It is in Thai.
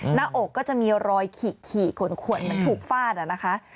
หน้าอกก็จะมีรอยขี่ขนขวนมันถูกฟาดน่ะนะคะ